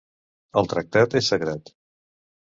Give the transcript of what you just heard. El tractat és sagrat.